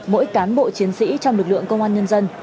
mỗi cán bộ chiến sĩ trong lực lượng công an nhân dân